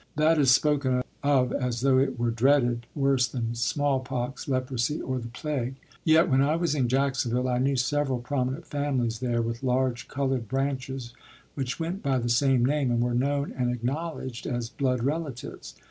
That is spoken of as though it were dreaded worse than smallpox, leprosy, or the plague. Yet, when I was in Jacksonville, I knew several prominent families there with large colored branches, which went by the same name and were known and acknowledged as blood relatives.